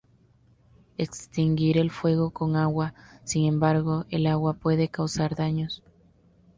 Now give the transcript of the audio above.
Extinguir el fuego con agua, sin embargo, el agua puede causar daños.